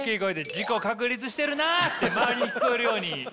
「自己確立してるなー！」って周りに聞こえるように。